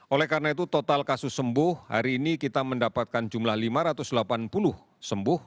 oleh karena itu total kasus sembuh hari ini kita mendapatkan jumlah lima ratus delapan puluh sembuh